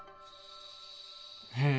へえ。